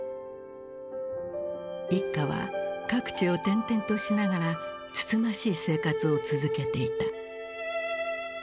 一家は各地を転々としながらつつましい生活を続けていた。